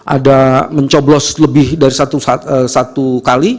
ada mencoblos lebih dari satu kali